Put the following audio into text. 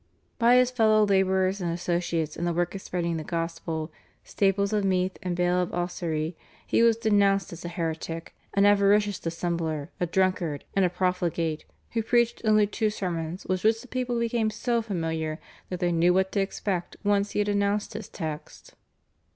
By his fellow labourers and associates in the work of spreading the gospel, Staples of Meath and Bale of Ossory, he was denounced as a heretic, an avaricious dissembler, a drunkard, and a profligate, who preached only two sermons with which the people became so familiar that they knew what to expect once he had announced his text.